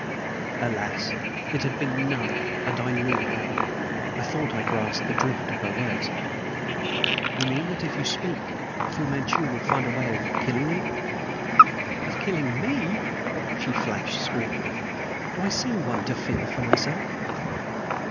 Alas! it had been of none, and I knew it well. I thought I grasped the drift of her words. "You mean that if you speak, Fu Manchu will find a way of killing you?" "Of killing ME!" she flashed scornfully. "Do I seem one to fear for myself?"